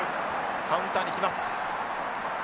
カウンターにきます。